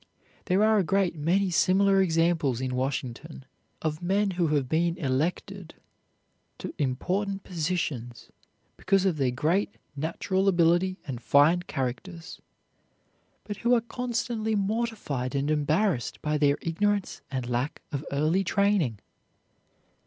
There are a great many similar examples in Washington of men who have been elected to important positions because of their great natural ability and fine characters, but who are constantly mortified and embarrassed by their ignorance and lack of early training.